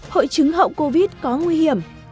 hội chứng hậu covid có nguy hiểm